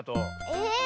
え。